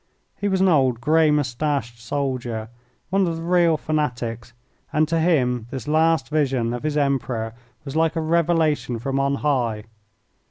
He was an old, grey moustached soldier, one of the real fanatics, and to him this last vision of his Emperor was like a revelation from on high.